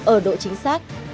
ở độ chính xác